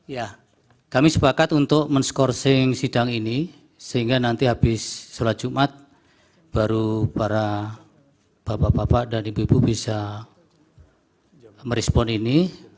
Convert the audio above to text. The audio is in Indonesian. ya kami sepakat untuk men scourcing sidang ini sehingga nanti habis sholat jumat baru para bapak bapak dan ibu ibu bisa merespon ini